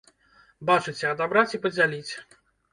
Бачыце, адабраць і падзяліць!